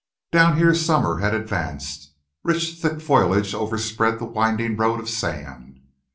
Down here summer had advanced. Rich thick foliage overspread the winding road of sand.